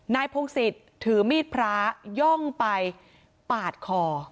นายพงศิษย์ถือมีดพระย่องไปปาดคอ